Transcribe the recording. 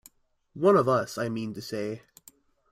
One of us, I mean to say.